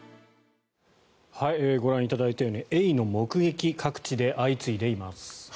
ご覧いただいたようにエイの目撃が各地で相次いでいます。